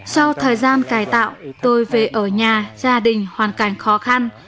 sau thời gian cài tạo tôi về ở nhà gia đình hoàn cảnh khó khăn